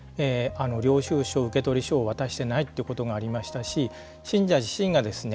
領収書、受取書を渡していないということもありましたし信者自身がですね